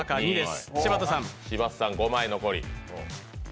柴田さん５枚残り。